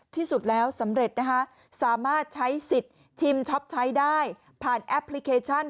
ที่สุดแล้วสำเร็จนะคะสามารถใช้สิทธิ์ชิมช็อปใช้ได้ผ่านแอปพลิเคชัน